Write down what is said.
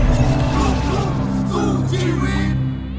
ทุกสู่ชีวิต